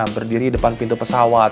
berdiri depan pintu pesawat